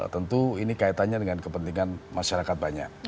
tentu ini kaitannya dengan kepentingan masyarakat banyak